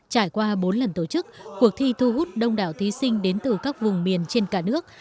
trải qua bốn lần tổ chức cuộc thi thu hút đông đảo thí sinh đến từ các vùng miền trên cả nước